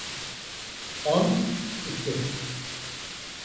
On iki.